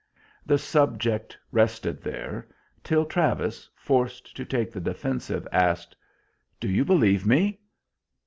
The subject rested there, till Travis, forced to take the defensive, asked: "Do you believe me?"